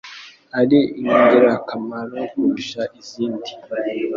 ari ingirakamaro kurusha izindi